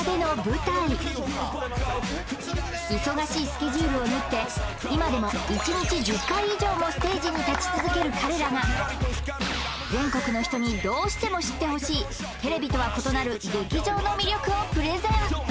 忙しいスケジュールを縫って今でも１日１０回以上もステージに立ち続ける彼らが全国の人にどうしても知ってほしいテレビとは異なる劇場の魅力をプレゼン